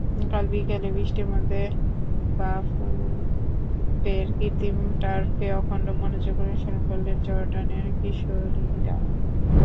কাল বিকেলে বৃষ্টির মধ্যে বাফুফের কৃত্রিম টার্ফে অখণ্ড মনোযোগে অনুশীলন করলেন জর্ডানের কিশোরীরা।